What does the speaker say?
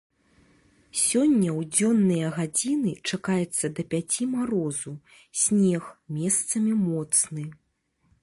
Сёння ў дзённыя гадзіны чакаецца да пяці марозу, снег, месцамі моцны.